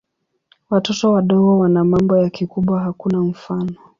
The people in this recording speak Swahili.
Watoto wadogo wana mambo ya kikubwa hakuna mfano.